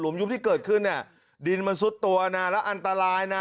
ยุบที่เกิดขึ้นเนี่ยดินมันซุดตัวนะแล้วอันตรายนะ